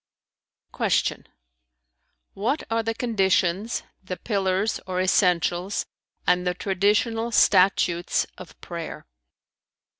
Q "What are the conditions, the pillars or essentials, and the traditional statutes of prayer?"